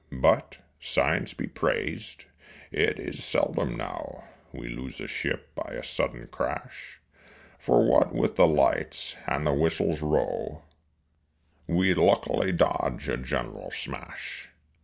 But, Science be praised, it is seldom now We lose a ship by a sudden crash, For what with the lights and the whistle's row We luckily dodge a general smash.